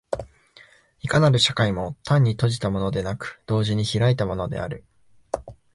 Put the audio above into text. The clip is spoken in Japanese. いかなる社会も単に閉じたものでなく、同時に開いたものである。